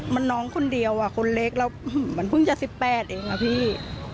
มันน้องคนเดียวอ่ะคนเล็กแล้วมันเพิ่งจะ๑๘เองอะพี่